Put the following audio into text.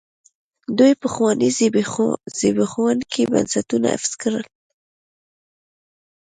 دوی پخواني زبېښونکي بنسټونه حفظ کړل.